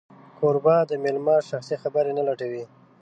کوربه د مېلمه شخصي خبرې نه لټوي.